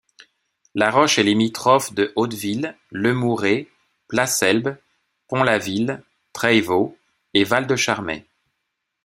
La Roche est limitrophe de Hauteville, Le Mouret, Plasselb, Pont-la-Ville, Treyvaux et Val-de-Charmey.